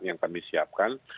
yang kami siapkan